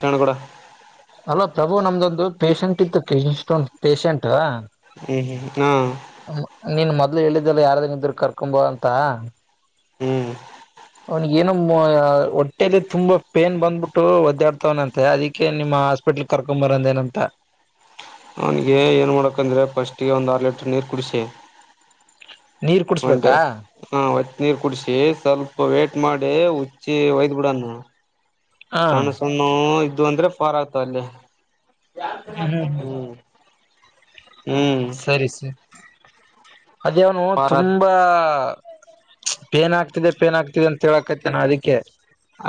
ತೆಾಣಗಡ ಅವು ನಮ್ದೊಂದು ಪೇಷೆಂಟ್ ಇತ್ತು ಇಷ್ಟೊಂದು ಪೇಷೆಂಟ್ ಹ್ಮ್ ಹ್ಮ್ ಹ್ಮ ನೀನ್ ಮೊದ್ಲು ಹೇಳಿದ್ದಲ್ಲ ಯಾರ್ದಂಗ ಇದ್ರ ಕರ್ಕೊಂಬ ಅಂತ ಹ್ಮ್ ಅವನಿಗ ಏನ ಹೊಟ್ಟೆಯಲ್ಲಿ ತುಂಬಾ ಪೇನ್ ಬಂದ್ಬಿಟ್ಟು ಒದ್ದಾಡ್ತವನಂತೆ ಅದಿಕ್ಕೆ ನಿಮ್ಮ ಹಾಸ್ಪಿಟ್ಲ್ ಕರ್ಕೊ ಬರಂದೇನಂತ ನನ್ಗೆ ಏನ್ ಮಾಡಕಂದ್ರೆ ಫಸ್ಟ್ಿಗೆ ಒಂದ್ ಆರು ಲೀಟರ್ ನೀರ್ ಕುಡಸಿ ನೀರ್ ಕುಡ್ಸ್ಬೇಕಾ ಹಾ ಒತ್ ನೀರ್ ಕುಡಸಿ ಸ್ವಲ್ಪ ವೇ್ಟ ಮಾಡಿ ಹಚ್ಚಿ ಒಯ್ದ್ ಬಿಡಣ ಹ ಸಣ್ಣ ಸಣ್ಣ ಇದು ಅಂದ್ರೆ ಫಾರ್ ಆಯ್ತ ಅಲ್ಲಿ ಹ್ಮ್ ಹ್ಮ್ ಸರಿ ಸ ಅದೇ ಅವನು ಭಾರತ್ ತುಂಬಾ ಪೇನ್ ಆಗ್ತಿದೆ ಪೇನ್ ಆಗ್ತಿದೆ ಅಂತ ಹೇಳಕೈತೆ ನ ಅದಿಕ್ಕೆ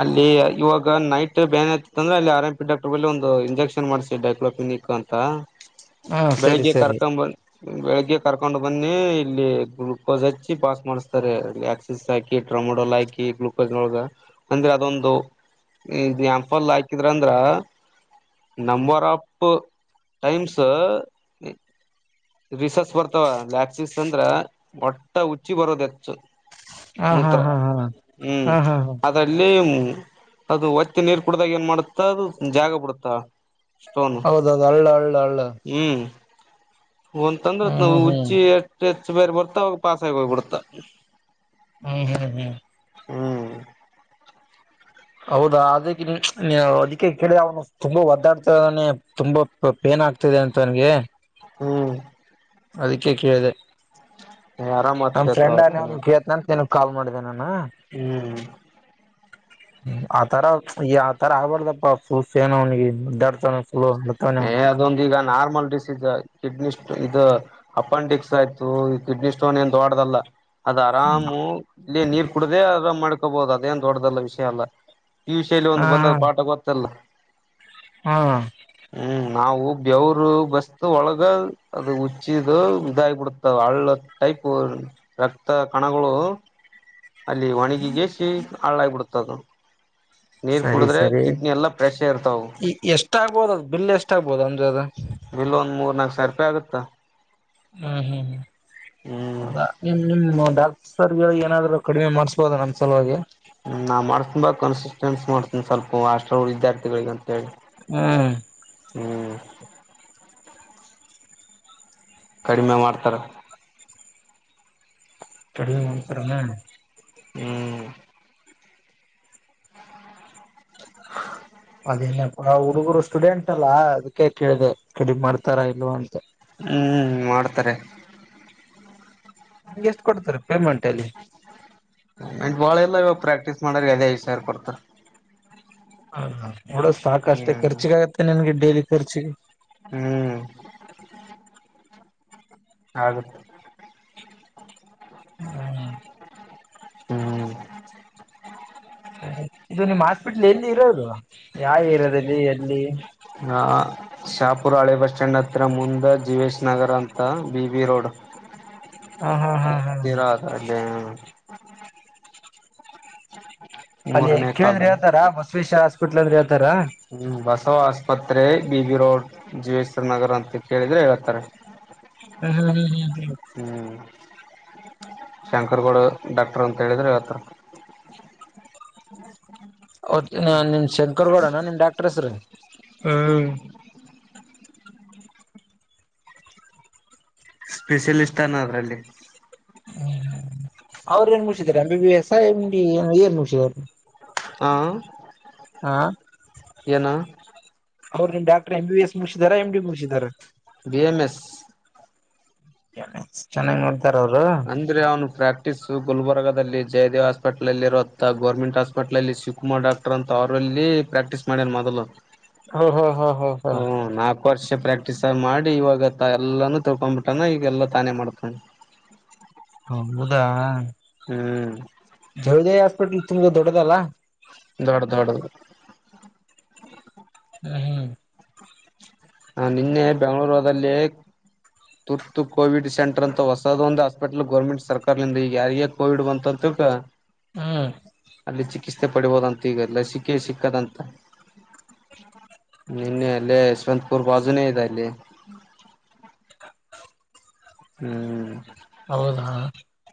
ಅಲ್ಲಿ ಇವಾಗ ನೈಟ್ ಬೇನ್ ಆಯತಿತ್ತ ಅಂದ್ರೆ ಅಲ್ಲಿ ಆರಂಪಿ ಡಾಕ್ಟರ್ ಬಿ ಒಂದು ಇಂಜೆಕ್ಷನ್ ಮಾಡ್ಸ ಡೈಕ್ಲೋಪಿನಿಕ್ ಅಂತ ಹಾ ಸರಿ ಬೆಳಿಗ್ಗೆ ಸರಿ ಕರ್ಕೊ ಬೆಳಿಗ್ಗೆ ಗೆ ಕರ್ಕೊಂಡು ಬನ್ನಿ ಇಲ್ಲಿ ಗ್ಲುೂಕೋಸ್ ಹಚ್ಚಿ ಪಾಸ್ ಮಾಡಸ್ತಾರೆ ಆಕ್ಸಿಸ್ ಹಾಕಿ ಟೊಮೊಟೋಲ್ ಹಾಕಿ ಗ್ಲೂಕೋಸ್ ನೊಳಗ ಅಂದ್ರೆ ಅದೊಂದು ಇ ಯಂಪಲ್ ಹಾಕಿದ್ರ ಅಂದ್ರ ನಂಬರ್ ಆಫ್ ಟೈಮ್ಸ್ ರಿಸಸ್ ಬರ್ತವ ಲ್ಯಾಕ್ಸಿಸ್ ಅಂದ್ರ ಒಟ್ಟ ಹುಚ್ಚಿ ಬರೋದು ಹೆಚ್ಚು ಹ ಹಾ ಮೂತ್ರ ಹಾ ಹಾ ಹ್ಮ್ ಹಾ ಹಾ ಹಾ ಅದು ಒತ್ತಿ ನೀರ್ ಕುಡ್ದಾಗ ಏನ್ ಮಾಡುತ್ತ ಅದು ಜಾಗ ಬಿಡುತ್ತ ಹೌದೌದು ಅಳ್ಳ ಅಳ್ಳ ಅಳ್ಳ ಒಂದ್ ತಂದ್ರತ್ ನಾವು ಹುಚ್ಚಿ ೆಚ್ ಬೇರ್ ಬಡ್ತಾ ಅವಾಗ ಪಾಸ ಆಗ ಹೋಗ್ಬಿಡ್ತಾ ಹ್ಮ್ ಹ್ಮ್ ಹ್ಮ್ ಹ್ಮ್ ಹೌದಾ ಅದಕ್ಕೆ ಅದಕ್ಕೆ ಕೇಳಿ ಅವನು ತುಂಬಾ ಒದ್ದಾಡ್ತ ಇದಾನೆ ತುಂಬಾ ಪೇನ್ ಆಗ್ತಿದೆ ಅಂತ ನನ್ಗೆ ಹ್ಮ್ ಅದಕ್ಕೆ ಕೇಳಿದೆ ಆರಾಮ್ ಆಗ್ತೇತ ಆಮಫ್ರೆಂಡ ಅದನು ಅವ ಗೇತನು ಕಾಲ್ ಮಾಡಿದೆೆ ನಾನು ಹ್ಮ್ ್ಮ ಆತರ ಈ ಆತರ ಆಗ್ಬಾರ್ದಪ್ಪ ಸಫುಸ್ ಏನ ಅವನಿಗೆ ದಡ್ ಏ ಅದೊಂದ ಈಗ ನಾರ್ಮಲ್ ಡ್ ಕಿಡ್ನಿ ಇದು ಅಪೆಂಡಿಕ್ಸ್ ಆಯ್ತು ಕಿಡ್ನಿ ಸ್ಟೋನ್ ಏನ್ ದೊಡ್ಡದಲ್ಲ ಅದ್ ಆರಾಮು ಇಲ್ಲಿ ನೀರ್ ಕುಡದೆ ಮಾಡ್ಕೋಬಹುದು ಅದೇನ್ ದೊಡ್ಡದಲ್ಲ ವಿಷಯ ಅಲ್ಲ ಈ ವಿ ಶೈಲಿ ಹಾ ಒಂದು ಬಂದ ಪಾಠ ಗೊತ್ತಲ್ಲ ಹಾ ಹ್ಮ್ ನಾವು ಬೆವರು ಬಸ್ ಒಳಗ ಅದು ಹುಚ್ಚಿದು ಇದಾಗಿಬಿಡ್ತವೆ ಹಳ್ಳ ಟೈಪ್ ರಕ್ತ ಕಣಗಳು ಅಲ್ಲಿ ಒಣಿಗಿಗೆ ಸಿ ಹಳ್ಳಳ ಆಗಬಿಡ್ತದೆ ಹತ್ತದು ಸರಿ ಸರಿ ಇರ್ತಾವ ಎಷ್ಟಾಗಬೋದ ಅದು ಬಿಲ್ ಎಷ್ಟಾಗಬೋದು ಅಂದ ಅದ ಬಿಲ್ ಒಂದ್ ಮೂರ್ ನಾಕಕ್ ಸಾವಿರ ರೂಪಾಯಿ ಆಗುತ್ತಾ ಹ್ಮ್ ಹ್ಮ್ ಹ್ಮ್ ಅದ ನಿಮ ನಿ ಡಾಕ್ಟರ್ ಏನಾದ್ರು ಕಡಿಮೆ ಮಾಡ್ಸ್ಬೋದ ನಮ್ ಸಲುವಾಗಿ ಹ್ಮ ನಾ ಮಾಡ್ಸನ್ ಬಾ ಕನ್ಸಿಸ್ಟೆನ್ಸ್ ಮಾಡ್ತೀನಿ ಸ್ವಲ್ಪ ಹಾಸ್ಟ್ರ ವಿದ್ಯಾರ್ಥಿಗಳಿಗೆ ಅಂತ ಹೇಳಿ ಹ್ಮ್ ಹ್ಮ್ ಕಡಿಮೆ ಮಾಡ್ತಾರ ಕಡಿಮೆ ಮಾಡ್ತಾ ತಾನೇ ಹ್ಮ್ ಅದೇನಪ್ಪ ಹುಡುಗರು ಸ್ಟೂಡೆಂಟ್ ಅಲ್ಲಾ ಅದಕ್ಕೆ ಕೇಳಿದೆ ಕಡಿಮ ಮಾಡ್ತಾರ ಇಲ್ ಅಂತ ಹ್ಮ್ ಮಾಡ್ತಾರೆ ನಿಂಗೆ ಎಷ್ಟು ಕೊಡ್ತಾರೆ ಕ ಮಟಲಿ ಎ ಇವಾಗ ಪ್ರಾಕ್ಟೀಸ್ ಮಾಡ್ರ ಅದೇ ಐದು ಸಾವರ್ ಕೊಡ್ತಾರೆ ಹಾ ಹಾ ನೋಡೋ ಸಾಕಷ್ಟೇ ಹ್ಮ್ ಖರ್ಚಿಗಾಗತ್ತೆ ನನ್ಗೆ ಲಿ ಖರ್ಚ ಹ್ಮ್ ಹಾಗೆ ಹ್ಮ ಹ್ಮ್ ಇದು ನಿಮ್ಮ್ ಹಾಸ್ಪಿಟ್ಲ್ ಎಲ್ಲಿ ಇರೋದು ಯಾವ ಏರಿಯಾದಲ್ಲಿ ಎಲ್ಲಿ ಹ ಶಾಪುರ ಹಳೆ ಬಸ್ ಸ್ಟ್ಯಾಂಡ್ ಹತ್ರಿ ಮುಂದ ಜಿವೇಶ್ ನಗರ ಅಂತ ಬಿಬ ರೋಡ್ ಹ ಹಾ ಹಾ ಹಾ ಹ ಹತ್ತಿರ ಅದ ಅಲ್ಲಿ ಹ್ಮ ಅಲ್ಲಿ ಕೇಳಿದ್ರಿ ಹತಾರ ಬ ಸ್ಪಲ್ ಹಸ್ಪಿಟ್ಲ್ ಅಂದ್ರೆ ಹೇಳ್ತಾರ ಹ್ಮ್ ಬಸ್ ಅಥ ಆಸ್ಪತ್ರೆ B B road Jiveshwar Nagar ಅಂತ ಕೇಳಿದ್ರೆ ಹೇತಾರೆ ಹ್ಮ್ ಹ್ಮ್ ಹ್ಮ್ ಹ್ಮ್ ಹ್ಮ್ ಶಂಕರ್ಗೌಡ ಡಾಕ್ಟರ್ ಅಂತ ಹೇಳಿದರೆ ಯಾವ ನಿಮ್ ಶಂಕರ್ ಗೌಡಣ್ಣ ನಿಮ್ ಡಾಕ್ಟರ್ ಹೆಸ್ರೀ ಹ್ಮ್ ಸ್ಪೆಷಲಿಸ್ಟ್ನ ಅದ್ರಲ್ಲಿ ಅವ್ರು ಏನ್ ಮುಗಿಸಿದಿದ್ದಾರೆ ಅಂ ಎ ಏನ್ ಮುಗಿಸಿದ ಅವ್ರು ಹಾ ಏನು ಅವ್ರುಮ ಡಾಕ್ಟರ್ ಎಂಬ ಬಿ ಎಸ್ ಮುಗಿಸಿದಾರಾ ಎಂ ಡಿ ಮುಗಿಸಿದಿದ್ದಾರೆ ಬಿ ಎಂ ಎಸ್ ಚೆನ್ನಾಗಿ್ ನೋ ಅಂದ್ರೆ ಅವನು ಪ್ರಾಕ್ಟಿಸ್ ಗುಲ್ಬರ್ಗದಲ್ಲಿ ಜಯದೇವ್ ಹಾಸ್ಪಿಟ್ಲ್ ಅಲ್ಲಿ ಇರ ಗೌರ್ಮೆಂಟ್ ಹಾಸ್ಪಿಟ್ಲ್ ಅಲ್ಲಿ ಶಿವಕುಮಾರ್ ಡಾಕ್ಟರ್ ಅಂತ ಅವರಲ್ಲಿ ಪ್ರಾಕ್ಟೀಸ್ ಮಾಡ್ಯ ಮೊದಲು ಹ ಹಾ ಹಾ ಹಾ ಹಾ ಹ್ಮ್ ನಾಲ್ಕು ವರ್ಷ ಪ್ರಾಕ್ಟೀಸ್ ಮಾಡಿ ಇವಾಗ ಎಲ್ಲಾನೂ ತಿಳ್ಕೊಂಡ್ಬಿಟ್ಟಾನ ಈಗಲ್ಲ ತಾನೇ ಮಾಡ್ತಾನ ಹ ಹೌದಾ ಹ್ಮ್ ಹಪಟ್ ತುಂಬ ದೊಡ್ಡದಲ್ಲಾ ದೊಡ ದಡ ಹ್ಮ ಹ ನಿನ್ನೆ ಬೆಂಗಳೂರುಲ್ಲಿ ತುರ್ತು ಕೋವಿಡ್ ಸೆಂಟರ್ ಅಂತ ಹೊಸದ ಒಂದು ಹಾಸ್ಪಿಟಲ್ ಗೋರ್ಮೆಂಟ್ ಸರ್ಕಾರಲಿಂದ ಈ ಯಾರಿಗ ಕೋವಿಡ್ ಬಂತ ಅಂತ ಹ್ಮ್ ಅಲ್ಲಿ ಚಿಕಿತ್ಸೆ ಪಡಿಬೋದಂತ ಈಗ ಲಸಿಕೆ ಸಿಕ್ಕದಂತ ನಿನ್ನೆ ಅಲ್ಲೇ ಸ್ವಂತ ಪೂರ್ಪ ಅಜನ ದೆ ಇಲ್ಲಿ ಹ್ಮ್ ಹೌದಾ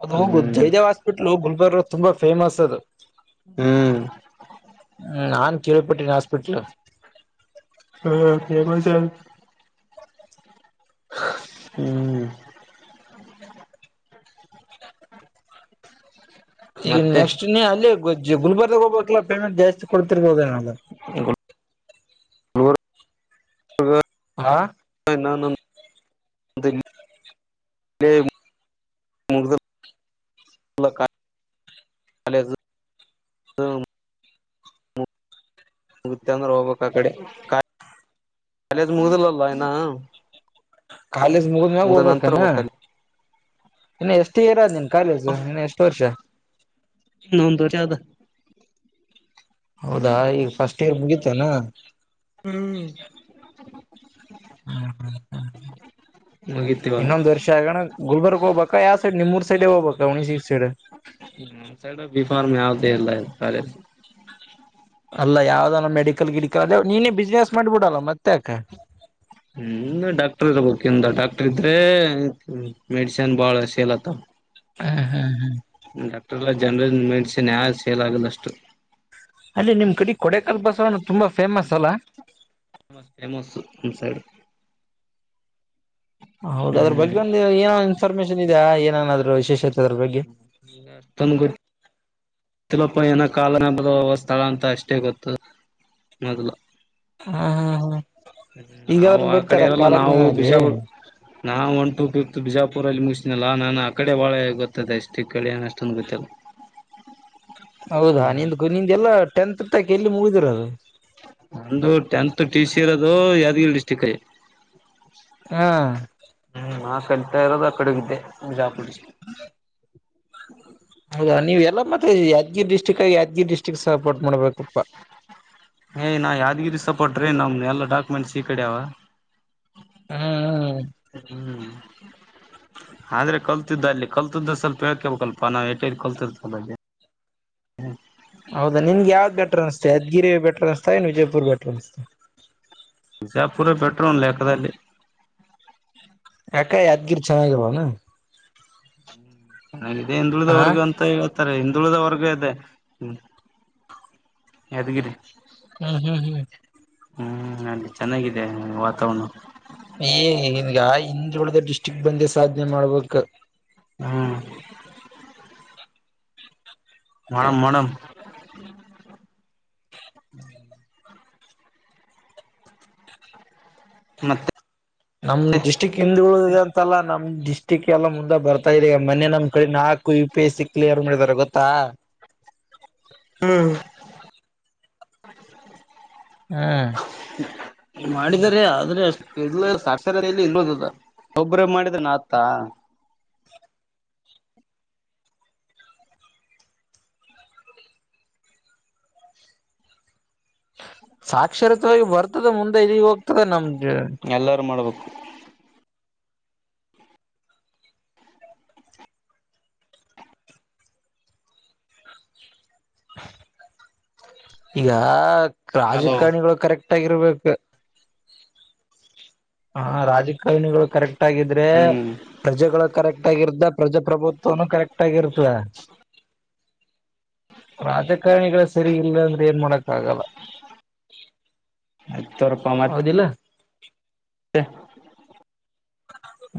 ಅದು ಹೋಗುದು ಹ್ಮ್ ಜಯದೇವ್ ಹಾಸ್ಪಿಟ್ಲ್ ಹೋಗ ಬ ತುಂಬಾ ಫೇಮಸ್ ಅದು ಹ್ಮ್ ಹ್ಮ ನಾನ್ ಕಿರುವಪಟ್ಟಿನ ಹಾಸ್ಪಿಟ್ಲ್ ಹ್ಮ ಗಸ ಹ್ಮ್ ಈಗ ಮತ್ತೆ ನೆಕ್ಸ್ಟ್ ನೀ ಅಲ್ಲಿ ಗುಲ್ಬರ್ಗ ಹೋಗಬೇಕಕ್ಾ ಪೇಮಂಟ್ ಜಾಸ್ತಿ ಕೊಡ್ತಿರ್ಬೋದ ಹದ ಹ ಹಾ ನಾನ ಮುಗತಂದ್ರೆ ಹೋಗ್ಬೇಕಕ್ ಆ ಕಡೆ ಕಾಲೇಜ್ ಕಾಲೇಜ್ ಮುಗಿದ್ಮ್ಯಾಗ ಮುಗ್ದ ನಂತರ ಹೋಗ್ಬೇಕನಾ ಹೋಗ್ಬೇಕ್ ಅಲ್ಲಿ ಇನ್ನು ಎಷ್ಟ ಇರ ನಿನ್ ಕಾಲೇಜು ಇನ್ ಎಷ್ಟ್ ವರ್ಷ ಇನ್ನೊಂದು ವರ್ಷ ಆದ ತಲಾ ಹ್ [inaudible] ಮುಗಿತಿವಾಗ ಇನ್ನೊಂದ್ ವರ್ಷ ಆಗಣ ಗುಲ್ಬರ್ಗ್ ಹೋಗ್ಬಾಕ ಯಾವ ಸೈಡ್ ನಿಮೂರ್ ಸೈಡೆ ಹೋಗ್ಬಕ ಹುಣಸಗಿ ಸೈಡ್ ಇನ್ ಫಾರ್ಮ್ ಯಾವುದಿಲ್ಲ ಕಾಲೇಜ್ ಅಲ್ಲ ಯಾವ್ದಾನ ಮೆಡಿಕಲ್ ಗಿಡಿಕಲ್ ಅಂದ್ರ ನೀನೇ ಬಿಸ್ನೆಸ್ ಮಾಡ್ಬಿಡಲ್ಲ ಮತ್ತೆ ಆಕೆ ಹ್ಮ್ ಡಾಕ್ಟರ್ ಇರಬೇಕೆಂದ ಡಾಕ್ಟರ್ ಇದ್ರೆ ಮೆಡಿಷೆನ್ ಬಾಳ ಸೇಲಾತ್ತವು ಹ್ಮ್ ಹ್ಮ್ ಹ್ಮ್ ಡಾಕ್ಟರ್ಯಿಲ್ಲ ಜನರಲ್ ಮೆಡಿಷಿನ್ ಯಾರ್ ಸೇಲಾಗದಷ್ಟು ಅಲ್ಲಿ ನಿಮ್ ಕಡೆ ಕೊಡೆಕಲ್ ಬಸ್ವಣ್ಣ ತುಂಬಾ ಫೇಮಸ್ ಅಲ್ಲಾ ಫೇಮಸ್ ಫೇಮಸ್ಸು ನಮ್ ಸೈಡು ಹೌದ ಅದ್ರ ಬಗ್ಗೆ ಒಂದ್ ಏನೋ ಇನ್ಫಾರ್ಮೇಶನ್ ಇದೆಯಾ ಏನನಾದ್ರು ಷ್ ಎಷ್ಟೊತ್ ಅವರ ಬಗ್ಗೆ ನಮ್ಗ್ಯಾಡ್ ತಂದ ಬುಡಿ ಗೊತ್ತಿಲ್ಲಪ್ಪ ಕಾಲ ಬರೆದ ಸ್ಥಳ ಅಂತ ಅಷ್ಟೇ ಗೊತ್ತು ಮೊದ್ಲು ಹಾ ಹಾ ಹಾ ನಾವು ಆ ಕಡೆ ಈರಲ್ಲಾ ನಾವು ಬಿಜಾಪುರ್ ನಾ ಅಂತು ತು ತು ಬೀಜಾಪುರಲ್ಲಿ ಮುಸಿನಿ ನಾನ ನಾ ಆ ಕಡೆ ಭಾಳ ಗೊತ್ತದೆ ಇಸ್ಟಿಕಡೆ ಎನ್ ಅಷ್ಟೊಂದು ಗೊತ್ತಿಲ್ಲ ಹೌದಾ ನಿಂದೂ ನಿಂದ ಎಲ್ಲಾ ಟೆಂತ್ ತಕ್ ಎಲ್ಲಿ ಮುಗಿದಿರದು ಅದು ಯಾದಗಿರಿ ಡಿಸ್ಟ್ರಿಕ್ ಯ್ ಹಾ ಕಲ್ತಾ ಇರೋದು ಅ ಕಡೆ ವಿದ್ದೆ ಬೀಜಾಪುರ್ ಡಿಸ್ಟಿಕ್ ಅಲ್ಲ ಮತ್ತೆ ಯಾದ್ಗಿರ್ಡ್ಟ್ರಿಕ್ ಆಗ ಯಾದಗಿರಿ ಡಿಸ್ಟ್ರಿಕ್ ಸಪೋರ್ಟ್ ಮಾಡ್ಬೇಕಪ್ಪಾ ಏ ನಾ ಯಾದಗಿರಿ ಸಪಟ್ರಿ ನಮ್ ಎಲ್ಲಾ ಡಾಕ್ಯುಮೆಂಟ್ಸ್ ಈ ಕಡೆ ಅವಾ ಹಾ ಹ ಹ್ಮ್ ಆದ್ರೆ ಕಲ್ತಿದ್ದ ಅಲ್ಲಿ ಕಲ್ತಿದ್ದ ಸ್ವಲ್ಪ ಹೇಳ್ಕೇಬೇಕಲ್ಪಾ ನಾವು ಏಟೆಟು ಕಲ್ತಿರ್ತ ಅಲ್ಲಿ ರಸ್ತಾಯನ್ ವಿಜಯಪುರ್ ಬೆಟ್ಟ ಶಾಪುರೆ ಬೆಟ್ರೂ ಒಂದ್ ಲೆಕ್ಕದಲ್ಲಿ ಯಾಕಾ ಯಾದಗಿರಿ ಚೆನಾಗಿಲ್ವೇನು ನಮ್ದೆ ಹಿಂದೂಗಳಿಂದ ಹಾ ವರ್ಗ ಅಂತ ಹೇಳತ ಹಿಂದುಳಿದವರ್ಗೂ ಇದೆ ಯಾದಗಿರಿ ಹ್ಮ್ ಹ್ಮ್ ಹ್ಮ್ ಹ್ಮ್ ಅಲ್ಲಿ ಚೆನ್ನಾಗಿದೆ ವಾತಾವಣ್ ಏ ನಿನಗೆ ಹಿಂದೊಳ್ದ ಡಿಸ್ಟ್ರಿಕ್ ಬಂದೆ ಸಾಧನೆ ಮಾಡ್ಬೇಕ್ ಹ್ಮ್ ಮಣಮ ಮಣಮ ಮತ್ ನಮ್ ಡಿಸ್ಟ್ರಿಕ್ ಹಿಂದಳ ಂತಲ್ಲಾ ನಮ್ ಡಿಸ್ಟಿಕ್ ಎಲ್ಲ ಮುಂದೆ ಬರ್ತಾ ಇರಿ ಈಗ ಮೊನ್ನೆ ನಮ್ ಕಡೆ ನಾಕು U P S C clear ಮಾಡಿದಿದ್ದಾರೆ ಗೊತ್ತಾ. ಹ್ಮ್ ಹ್ಮ ಮಾಡಿದರೆ ಆದ್ರೆಷ್ಟ ಇ ಸಾಕ್ಷರ ಎಲ್ಲಿ ಇಲ್ಲೋದದ ಒಬ್ರಬ್ ಮಾಡಿದ ನತಾ ಸಾಕ್ಷರತವಾಗಿ ಬರ್ತದ ಮುಂದೆ ಇದ ಹೋಗ ತ್ತದೆ ನಮ್ಮಜ ಎಲ್ಲಾರು ಮಾಡ್ಬೇಕು ಈಗಾ [inaudible] ಹಲೋ ರಾಜಕಾರಣಿಗಳು ಕರೆಕ್ಟ್ ಇರ್ಬೇಕು ಹಾ ರಾಜಕಾರಣಿಗಳು ಕರೆಕ್ಟ್ ಕ ಆಗಿದ್ರೆ ಹ್ಮ್ ಪ್ರಜೆಗಳು ಕರೆಕ್ಟ್ ಆಗಿರ್ದ ಪ್ರಜಪ್ರಭುತ್ವನು ಕರೆಕ್ಟ್ ಆಗಿರ ಹ [inaudible] ರಾಜಕಾರಣಿಗಳ ಸರಿ ಇಲ್ಲಂದ್ರೆ ಏನ್ ಮಾಡಕ್ ಆಗಲ್ಲ ಅಯ ತೊರಪ ಮತ್ತ ಹ [inaudible] ಹ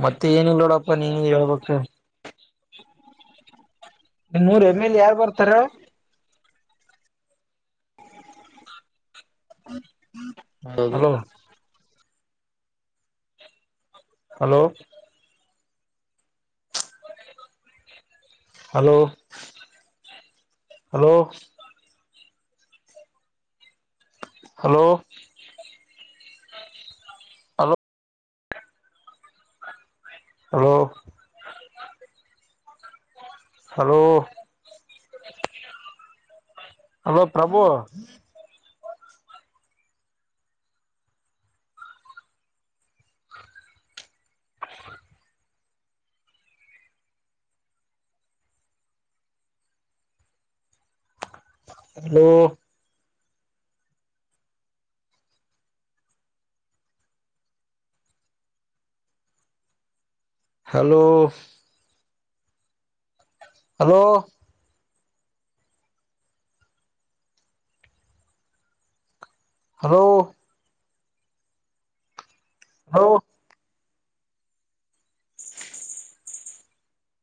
ಮತ್ತೆ ಏನಿಲ್ಲ ನೋಡಪ್ಪ ನೀ ಎಳ ಪಕ್ಷ ಮೂೂರ್ ಎಮ್ ಎಲ್ ಯಾರ್ು ಬರ್ತಾರ ಹ ಹ್ಮ ಹೌದು hello hello hello hello hello hello hello hello Prabhu ಋಹ [inaudible] hello hello hello hello hello